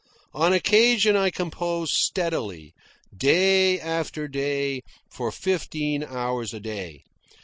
On occasion I composed steadily, day after day, for fifteen hours a day.